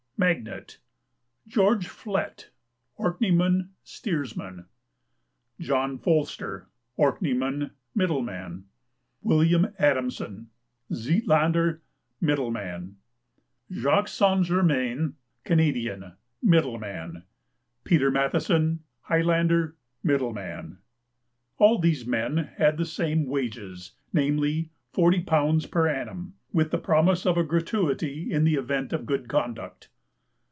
MAGNET. George Flett, Orkneyman, Steersman. John Folster, ditto, Middleman. William Adamson, Zetlander, ditto. Jacques St. Germain, Canadian, ditto. Peter Matheson, Highlander, ditto. All these men had the same wages, namely, £40 per annum, with the promise of a gratuity in the event of good conduct.